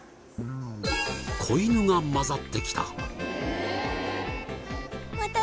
子イヌが交ざってきた。